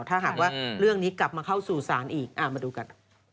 ถ้าหากว่าเรื่องนี้กลับมาเข้าสู่ศาลอีกมาดูกัน